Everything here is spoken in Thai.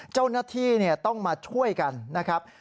เจ้าหน้าที่ต้องมาช่วยกันนะครับ